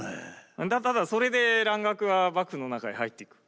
ただそれで蘭学は幕府の中へ入っていく。